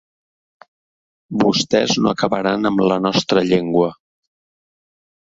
Vostès no acabaran amb la nostra llengua.